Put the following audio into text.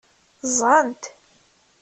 Ẓẓɛen-t.